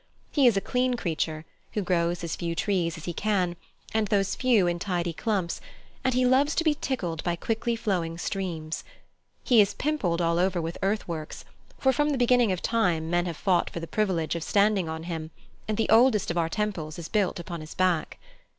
He is a clean creature, who grows as few trees as he can, and those few in tidy clumps, and he loves to be tickled by quickly flowing streams. He is pimpled all over with earth works, for from the beginning of time men have fought for the privilege of standing on him, and the oldest of our temples is built upon his back.